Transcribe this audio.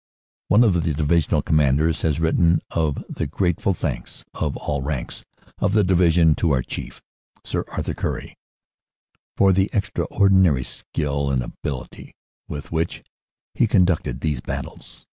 One of his Divisional Commanders has written of "the grateful thanks of all ranks of the Division to our chief, Sir Arthur Currie, for the extraordinary skill and ability with which he conducted these battles.